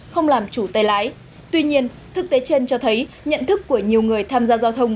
không làm chủ tay lái tuy nhiên thực tế trên cho thấy nhận thức của nhiều người tham gia giao thông